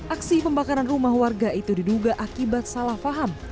aksi pembakaran rumah warga itu diduga akibat salah faham